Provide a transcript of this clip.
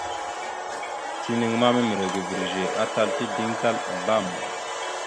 Tinaŋ ma miməre ga virəze, atal tideŋ tal azlam.